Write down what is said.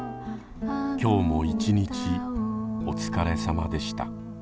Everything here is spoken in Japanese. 今日も一日お疲れさまでした。